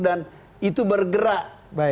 dan itu bergerak